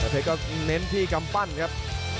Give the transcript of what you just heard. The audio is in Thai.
แสนเทชก็เน้นที่กำตันครับ